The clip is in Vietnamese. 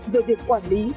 về việc quản lý đất rừng